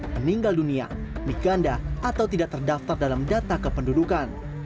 meninggal dunia miganda atau tidak terdaftar dalam data kependudukan